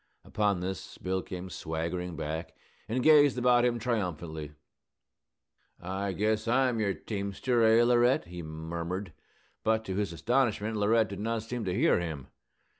Upon this Bill came swaggering back, and gazed about him triumphantly. "I guess I'm your teamster, eh, Laurette?" he murmured. But, to his astonishment, Laurette did not seem to hear him.